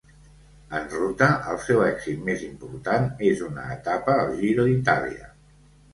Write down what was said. En ruta, el seu èxit més important és una etapa al Giro d'Itàlia.